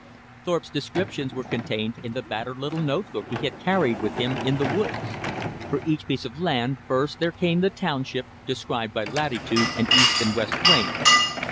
Thorpe's descriptions were contained in the battered little note book he had carried with him in the woods. For each piece of land first there came the township described by latitude and east and west range.